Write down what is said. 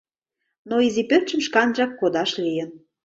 Но изи пӧртшым шканжак кодаш лийын.